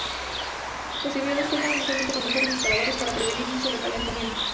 Los servidores cuentan usualmente con mejores disipadores para prevenir un sobrecalentamiento.